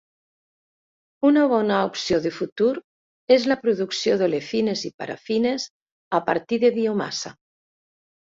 Una bona opció de futur és la producció d'olefines i parafines a partir de biomassa.